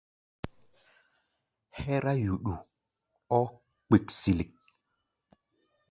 Hɛ́rá yuɗu ɔ́ kpiksili.